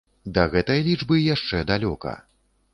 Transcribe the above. Да гэтай лічбы яшчэ далёка.